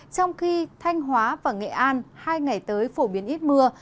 trong khi thanh hóa và nghệ an hai ngày tới phổ biến ít mưa